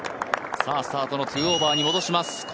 さあ、スタートの２オーバーに戻します。